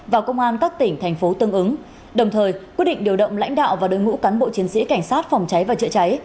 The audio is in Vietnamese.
và công an các tỉnh thành phố tương ứng đồng thời quyết định điều động lãnh đạo và đội ngũ cán bộ chiến sĩ cảnh sát phòng cháy và chữa cháy